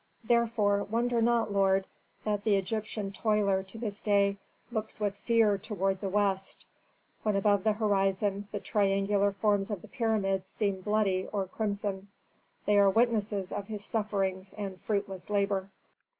"Therefore, wonder not, lord, that the Egyptian toiler to this day looks with fear toward the west, when above the horizon the triangular forms of the pyramids seem bloody or crimson. They are witnesses of his sufferings and fruitless labor.